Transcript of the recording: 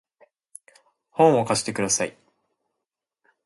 本を貸してください